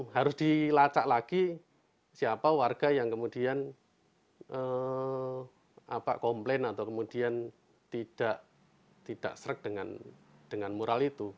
harus dilacak lagi siapa warga yang kemudian komplain atau kemudian tidak serek dengan mural itu